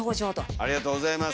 ありがとうございます。